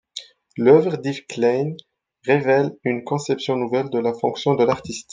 L'œuvre d'Yves Klein révèle une conception nouvelle de la fonction de l'artiste.